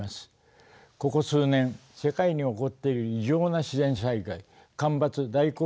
ここ数年世界に起こっている異常な自然災害干ばつ